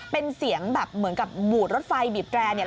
เป็นเสียงแบบเหมือนกับบูดรถไฟบีบแรร์เนี่ย